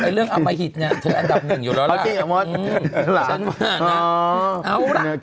เรื่องอัมมหิตเธออันดับ๑อยู่แล้วล่ะฉัน๕นัก